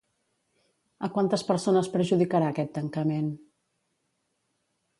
A quantes persones perjudicarà aquest tancament?